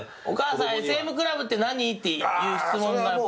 お母さんＳＭクラブって何？っていう質問が。